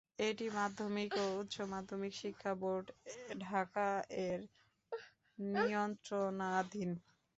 এটি মাধ্যমিক ও উচ্চ মাধ্যমিক শিক্ষা বোর্ড, ঢাকা-এর নিয়ন্ত্রণাধীন।